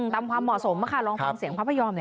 ความเหมาะสมลองฟังเสียงพระพยอมหน่อย